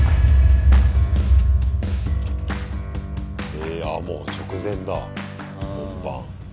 えああもう直前だ本番。